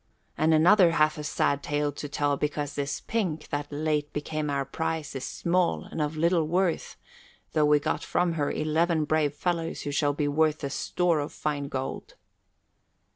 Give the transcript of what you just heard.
And another hath a sad tale to tell because this pink that late became our prize is small and of little worth, though we got from her eleven brave fellows who shall be worth a store of fine gold."